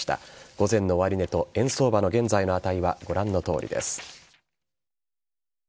午前の終値と円相場の現在の値はご覧のとおりです。